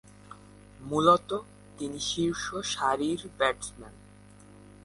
মূলতঃ তিনি শীর্ষ সারির ব্যাটসম্যান।